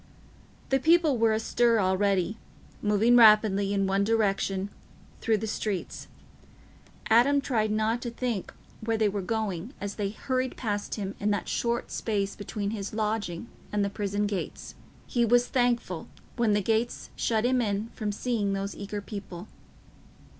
The people were astir already, moving rapidly, in one direction, through the streets. Adam tried not to think where they were going, as they hurried past him in that short space between his lodging and the prison gates. He was thankful when the gates shut him in from seeing those eager people.